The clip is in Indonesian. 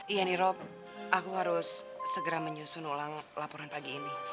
iya nih rob aku harus segera menyusun ulang laporan pagi ini